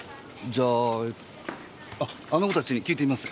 じゃああっあの子たちに訊いてみます。